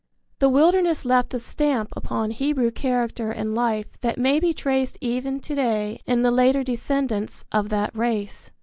The wilderness left a stamp upon Hebrew character and life that may be traced even to day in the later descendants of that race.